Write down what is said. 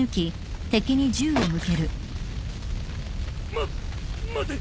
ま待て。